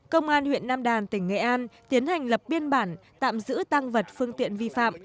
công an huyện nam đàn tỉnh nghệ an tiến hành lập biên bản tạm giữ tăng vật phương tiện vi phạm